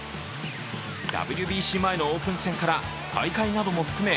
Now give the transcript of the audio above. ＷＢＣ前のオープン戦前から大会なども含め